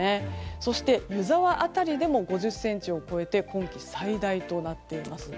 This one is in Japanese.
そして湯沢辺りでも５０ｃｍを超えて今季最大となっています。